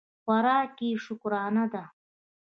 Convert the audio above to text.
خوراک یې شکرانه ده.